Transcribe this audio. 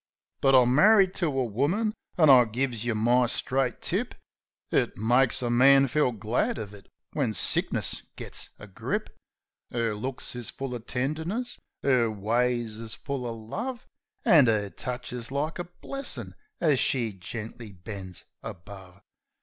But I'm marri'd to a woman; an', I gives yeh my straight tip, It makes a man feel glad uv it when sickness gits a grip. 'Er looks is full uv tenderness, 'er ways is full uv love, An' 'er touch is like a blessin' as she gently bends above.